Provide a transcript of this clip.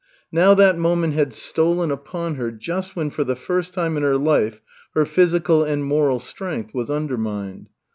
Now that moment had stolen upon her just when for the first time in her life her physical and moral strength was undermined.